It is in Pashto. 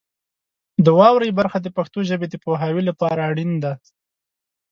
د واورئ برخه د پښتو ژبې د پوهاوي لپاره اړین دی.